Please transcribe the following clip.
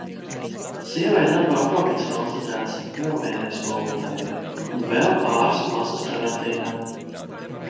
Sievai darbā kovids konstatēts vēl vienai skolotājai. Un vēl pāris klases karantīnā.